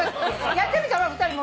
やってみて２人も。